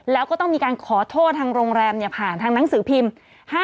แล้วก็ต้องมีการขอโทษทางโรงแรมผ่านทางหนังสือพิมพ์